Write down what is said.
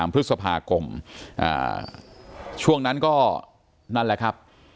พฤษภาคมช่วงนั้นก็นั่นแหละครับ